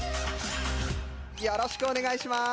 よろしくお願いします。